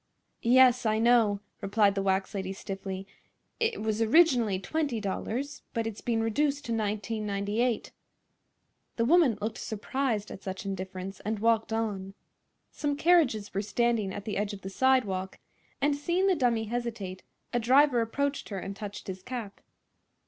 "Yes, I know," replied the wax lady, stiffly; "it was originally $20, but it's been reduced to $19.98." The woman looked surprised at such indifference and walked on. Some carriages were standing at the edge of the sidewalk, and seeing the dummy hesitate a driver approached her and touched his cap.